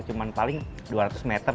cuma paling dua ratus meter